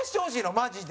マジで。